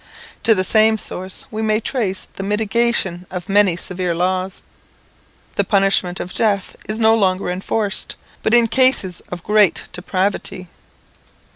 To the same source we may trace the mitigation of many severe laws. The punishment of death is no longer enforced, but in cases of great depravity.